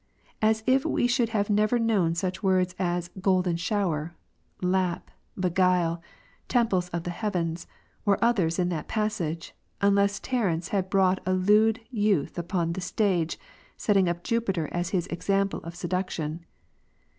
As if we should have never known such words as "golden shower," "lap," "beguile," "temples of the heavens," or others in that passage, unless Terence had brought a lewd youth upon the stage, setting up Jupiter as his example of seduction *.